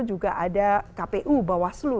juga ada kpu bawaslu